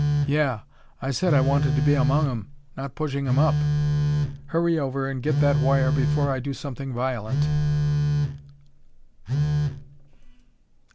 "Yeah! I said I wanted to be among 'em not pushing 'em up. Hurry over and get that wire before I do something violent."